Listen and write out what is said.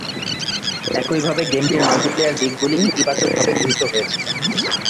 একইভাবে, গেমটির মাল্টিপ্লেয়ার দিকগুলি ইতিবাচকভাবে গৃহীত হয়েছিল।